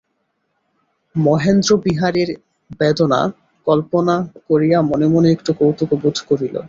মহেন্দ্র বিহারীর বেদনা কল্পনা করিয়া মনে মনে একটু কৌতুকবোধ করিল।